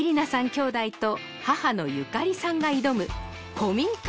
姉弟と母のゆかりさんが挑む古民家